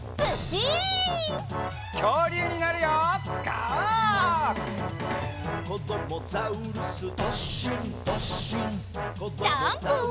ジャンプ！